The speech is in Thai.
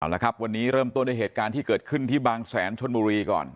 แล้วครับวันนี้เริ่มต้นด้วยเหตุการณ์ที่เกิดขึ้นที่บางแสนชนบุรีก่อน